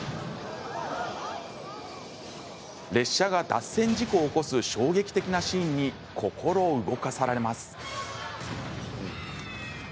列車が脱線事故を起こす衝撃的なシーンに心動かされます。